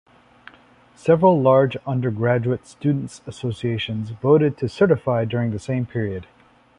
Several large undergraduate students' associations voted to certify during the same period.